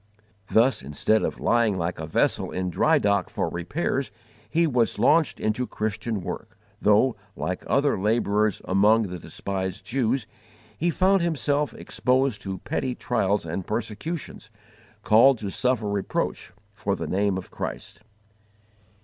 Thus, instead of lying like a vessel in dry dock for repairs, he was launched into Christian work, though, like other labourers among the despised Jews, he found himself exposed to petty trials and persecutions, called to suffer reproach for the name of Christ.